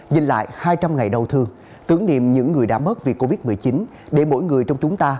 nhìn lại hai trăm linh ngày đau thương tưởng niệm những người đã mất vì covid một mươi chín để mỗi người trong chúng ta